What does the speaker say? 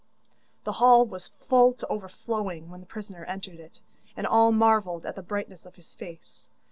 The hall was full to overflowing when the prisoner entered it, and all marvelled at the brightness of his face.